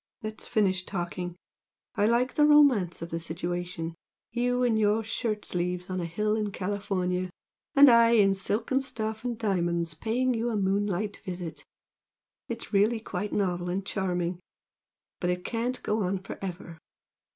let's finish talking! I like the romance of the situation you in your shirt sleeves on a hill in California, and I in silken stuff and diamonds paying you a moonlight visit it's really quite novel and charming! but it can't go on for ever!